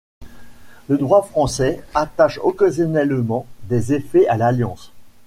Le droit français attache occasionnellement des effets à l'alliance.